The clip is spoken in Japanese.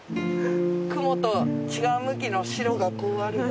雲と違う向きの白がこうあるの。